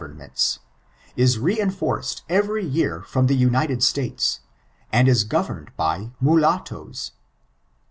emmeBti, ia re enibfced every year ftom the United Statea, and ia governed Ivy Mnlattoea.